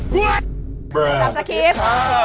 จับสะครีป